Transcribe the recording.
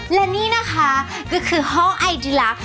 และนี่นะคะก็คือห้องไอดิลักษ